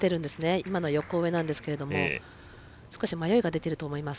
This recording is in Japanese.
今のは横上なんですが少し迷いが出ていると思います。